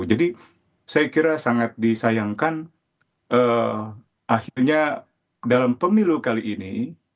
jadi saya kira sangat disayangkan akhirnya dalam pemilu kali ini